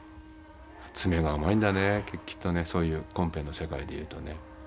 詰めが甘いんだねきっとねそういうコンペの世界でいうとね。